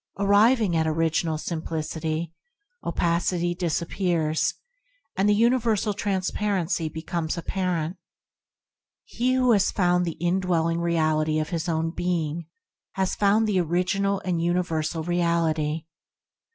Arriving at Original Simplicity, opacity disappears, and the universal transparency becomes apparent. He who has found the indwelling Reality of his own being has found the original and universal Reality.